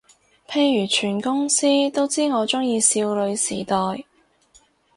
譬如全公司都知我鍾意少女時代